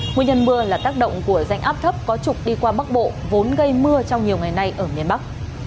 nguyên nhân mưa là tác động của rãnh áp thấp có trục đi qua bắc bộ vốn gây mưa trong nhiều ngày nay ở miền bắc